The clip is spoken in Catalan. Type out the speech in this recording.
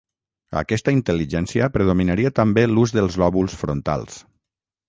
A aquesta intel·ligència predominaria també l’ús dels lòbuls frontals.